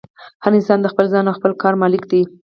هر انسان د خپل ځان او خپل کار مالک دی.